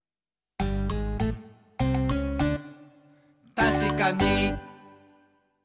「たしかに！」